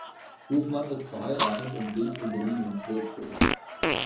Hofmann ist verheiratet und lebt in Berlin und Würzburg.